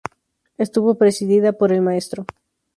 Estuvo presidida por el Mtro.